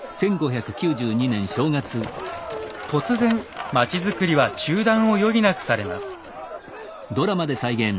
突然町づくりは中断を余儀なくされます。